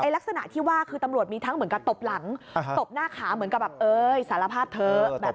ลักษณะที่ว่าคือตำรวจมีทั้งเหมือนกับตบหลังตบหน้าขาเหมือนกับแบบเอ้ยสารภาพเถอะ